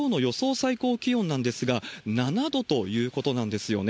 最高気温なんですが、７度ということなんですよね。